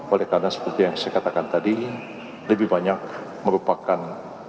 oleh karena seperti yang saya katakan tadi lebih banyak merupakan